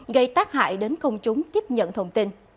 gây tác hại đến công chúng tiếp nhận thông tin